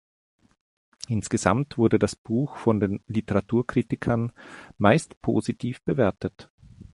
Insgesamt wurde das Buch von den Literaturkritikern meist positiv bewertet.